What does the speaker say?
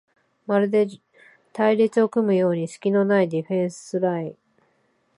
まるで隊列を組むようにすきのないディフェンスライン